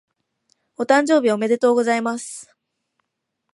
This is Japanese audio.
お誕生日おめでとうございます。